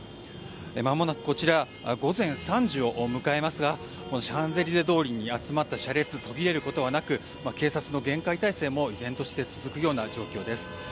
まもなくこちら午前３時を迎えますがシャンゼリゼ通りに集まった車列は途切れることはなく警察の厳戒態勢も依然として続くような状況です。